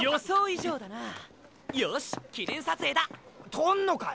撮んのかよ！